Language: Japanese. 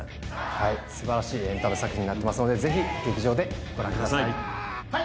はい素晴らしいエンタメ作品になってますのでぜひ劇場でご覧くださいご覧ください